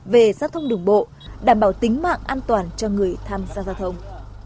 về giao thông đường bộ đảm bảo tính mạng an toàn cho người tham gia giao thông